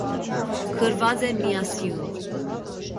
Գրված է միասյուն։